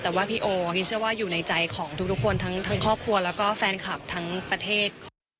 แต่ว่าพี่โอพินเชื่อว่าอยู่ในใจของทุกคนทั้งครอบครัวแล้วก็แฟนคลับทั้งประเทศ